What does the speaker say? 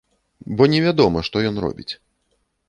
Бо невядома, што ён робіць.